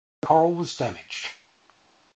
None exploded and no coral was damaged.